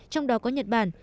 trong đó có nhật bản